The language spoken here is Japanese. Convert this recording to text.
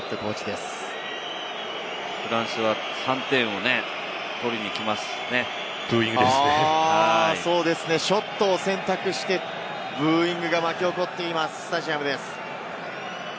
フランスは３点を取りに行きますショットを選択してブーイングが沸き起こっています、スタジアムです。